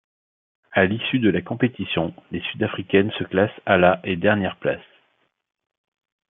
À l'issue de la compétition, les Sud-Africaines se classent à la et dernière place.